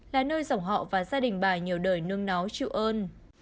là nơi dòng họ và gia đình bà nhiều đời nương nóng chịu ơn